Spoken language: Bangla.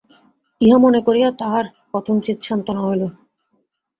ইহা মনে করিয়া তাঁহার কথঞ্চিৎ সান্ত্বনা হইল।